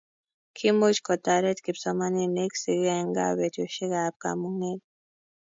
kiimuch kotoret kipsomaninik sigik eng' gaa betusiekab kamung'et